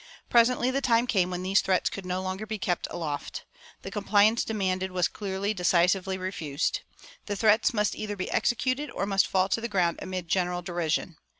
Presently the time came when these threats could no longer be kept aloft. The compliance demanded was clearly, decisively refused. The threats must either be executed or must fall to the ground amid general derision.